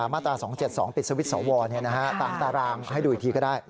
มาตรา๒๗๒ปิดสวิตช์สวตามตารางให้ดูอีกทีก็ได้